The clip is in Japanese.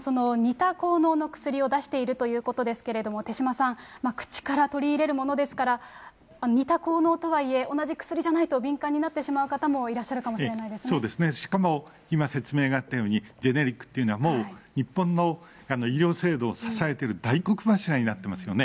その似た効能の薬を出しているということですけれども、手嶋さん、口から取り入れるものですから、似た効能とはいえ、同じ薬じゃないと敏感になってしまう方もいらっしゃるかもしれなそうですね、しかも今説明があったように、ジェネリックというのは、もう日本の医療制度を支えてる大黒柱になってますよね。